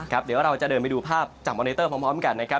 เดี๋ยวเราจะเดินไปดูภาพจากมอเนเตอร์พร้อมกันนะครับ